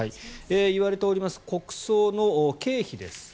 言われております国葬の経費です。